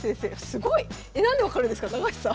すごい！え何で分かるんですか高橋さん。